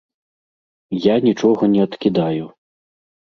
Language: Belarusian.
Я нічога не адкідаю.